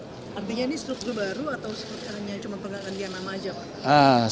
artinya ini struktur baru atau strukturnya cuma pengamanan yang lama saja